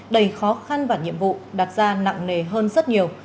đầy khó khăn và nhiệm vụ đặt ra nặng nề hơn rất nhiều